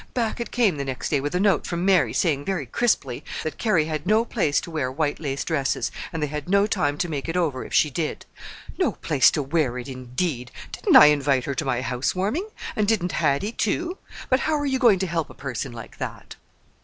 —back it came the next day with a note from Mary saying very crisply that Carrie had no place to wear white lace dresses, and they had no time to make it over if she did. No place to wear it, indeed! Didn't I invite her to my housewarming? And didn't Hattie, too? But how are you going to help a person like that?"